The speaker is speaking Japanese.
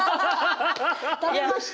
食べました？